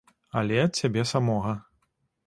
Але ад цябе самога.